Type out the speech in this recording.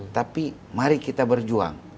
tapi mari kita berjuang